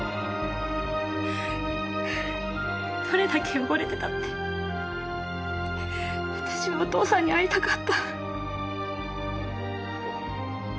どれだけ汚れてたって私はお父さんに会いたかった。